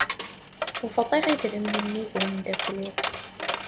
Bḍiɣ idrimen-nni d umdakel-iw.